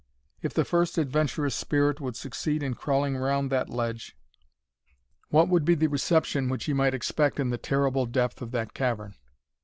If the first adventurous spirit should succeed in crawling round that ledge, what would be the reception which he might expect in the terrible depth of that cavern?